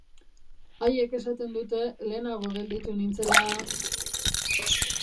Haiek esaten dute lehenago gelditu nintzela...